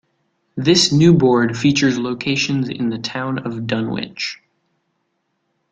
This new board features locations in the town of Dunwich.